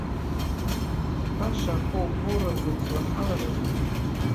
Баша афоу-гоуразы узлахаларызеи?